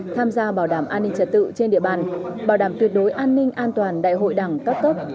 tham gia bảo đảm an ninh trật tự trên địa bàn bảo đảm tuyệt đối an ninh an toàn đại hội đảng các cấp